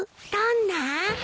どんな？